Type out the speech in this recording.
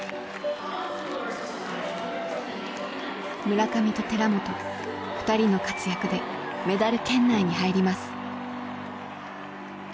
村上と寺本２人の活躍でメダル圏内に入ります。